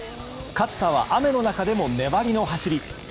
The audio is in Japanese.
勝田は、雨の中でも粘りの走り。